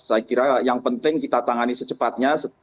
saya kira yang penting kita tangani secepatnya